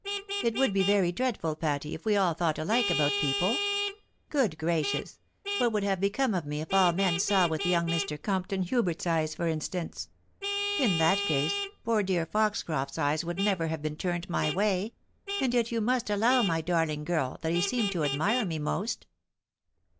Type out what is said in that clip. It would be very dreadful, Patty, if we all thought alike about people. Good gracious I what would have become of me if all men saw with young Mr. Compton Hubert's eyes, for instance? In that case, poor dear Foxoroft's eyes would never have been turned my way; and yet you must allow, my darhng girl, that he seemed to admire me most